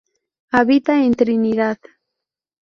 Habita en Trinidad.